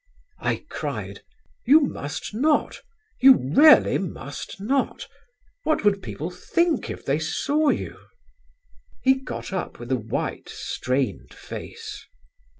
I cried: "'You must not, you really must not. What would people think if they saw you?' "He got up with a white strained face.